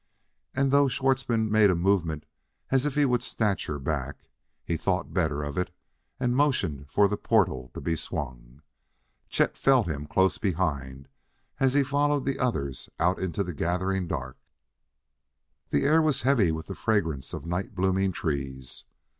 And, though Schwartzmann made a movement as if he would snatch her back, he thought better of it and motioned for the portal to be swung. Chet felt him close behind as he followed the others out into the gathering dark. The air was heavy with the fragrance of night blooming trees.